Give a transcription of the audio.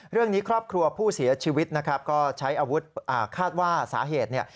เรื่องนี้ครอบครัวผู้เสียชีวิตนะครับก็ใช้อาวุธคาดว่าสาเหตุเนี่ย